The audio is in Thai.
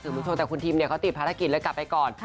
สื่อมูลชนแต่คุณทีมเขาติดภารกิจแล้วกลับไปก่อน